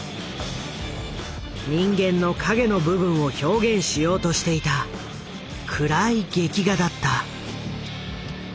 人間の影の部分を表現しようとしていた暗い劇画だった。